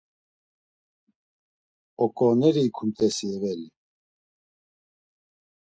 Oǩooneri ikumt̆eysi eveli?